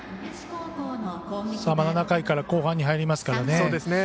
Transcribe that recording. ７回から後半に入りますからね。